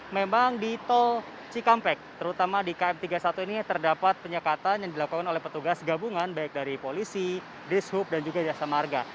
memang di tol cikampek terutama di km tiga puluh satu ini terdapat penyekatan yang dilakukan oleh petugas gabungan baik dari polisi dishub dan juga jasa marga